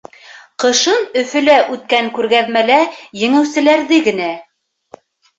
Ҡышын Өфөлә үткән күргәҙмәлә еңеүселәрҙе генә.